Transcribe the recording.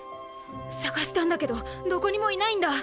捜したんだけどどこにもいないんだ。